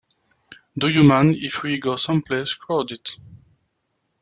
Do you mind if we go someplace crowded?